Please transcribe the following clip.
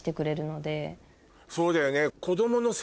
そうだよね。